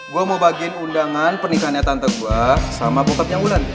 gue mau bagiin undangan pernikahannya tante gue sama bokapnya wulan